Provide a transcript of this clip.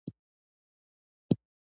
د انځر دانه د څه لپاره وکاروم؟